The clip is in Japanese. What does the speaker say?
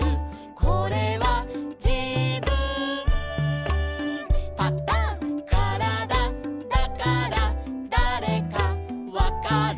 「これはじぶんパタン」「からだだからだれかわかる」